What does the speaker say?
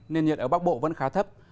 nền nhiệt ở bắc bộ vẫn khá thấp